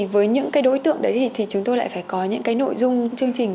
với những cái đối tượng đấy thì chúng tôi lại phải có những cái nội dung chương trình